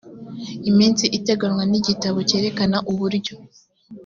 iminsi iteganywa n igitabo cyerekana uburyo